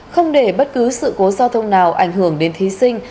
không để bất cứ sự cố giao thông nào ảnh hưởng đến thí sinh